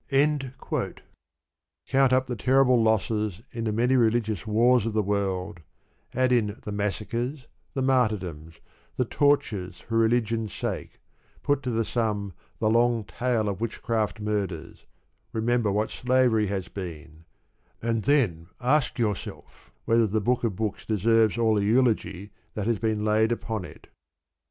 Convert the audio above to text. Count up the terrible losses in the many religious wars of the world, add in the massacres, the martyrdoms, the tortures for religion's sake; put to the sum the long tale of witchcraft murders; remember what slavery has been; and then ask yourselves whether the Book of Books deserves all the eulogy that has been laid upon it.